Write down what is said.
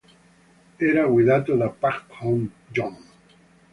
Era guidato da Pak Hon-yong.